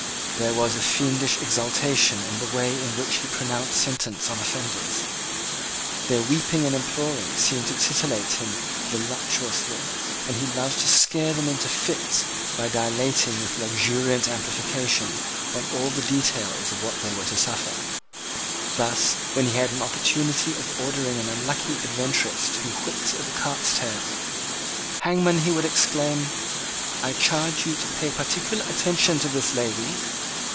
There was a fiendish exultation in the way in which he pronounced sentence on offenders. Their weeping and imploring seemed to titillate him voluptuously; and he loved to scare them into fits by dilating with luxuriant amplification on all the details of what they were to suffer. Thus, when he had an opportunity of ordering an unlucky adventuress to be whipped at the cart's tail, "Hangman," he would exclaim, "I charge you to pay particular attention to this lady!